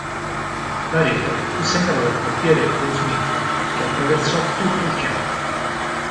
La rete fu segnata dal portiere Paul Smith che attraversò tutto il campo.